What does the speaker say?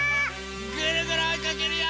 ぐるぐるおいかけるよ！